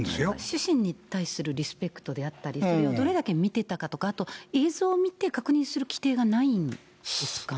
主審に対するリスペクトであったり、それをどれだけ見てたとか、あと映像を見て確認する規定がないんですかね。